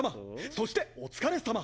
そしてお疲れさま。